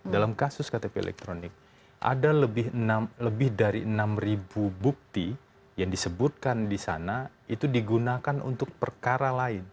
dalam kasus ktp elektronik ada lebih dari enam bukti yang disebutkan di sana itu digunakan untuk perkara lain